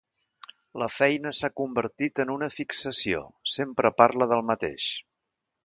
La feina s'ha convertit en una fixació: sempre parla del mateix.